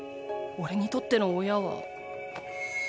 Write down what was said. おれにとっての親は。